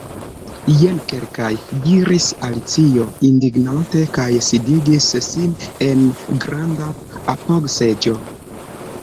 "Jen kelkaj " diris Alicio indignante, kaj sidigis sin en granda apogseĝo.